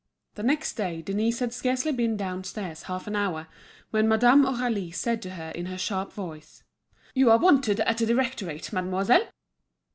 The next day Denise had scarcely been downstairs half an hour, when Madame Aurélie said to her in her sharp voice: "You are wanted at the directorate, mademoiselle."